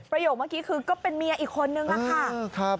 เมื่อกี้คือก็เป็นเมียอีกคนนึงล่ะค่ะ